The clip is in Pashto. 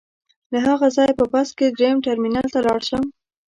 له هغه ځایه په بس کې درېیم ټرمینل ته لاړ شم.